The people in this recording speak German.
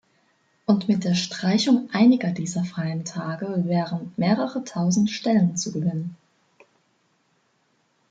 Und mit der Streichung einiger dieser freien Tage wären mehrere tausend Stellen zu gewinnen.